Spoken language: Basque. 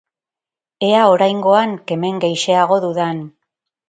Ea oraingoan kemen gehixeago dudan.